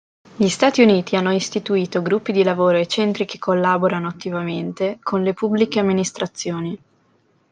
Gli Stati Uniti hanno istituito gruppi di lavoro e centri che collaborano attivamente con le Pubbliche Amministrazioni.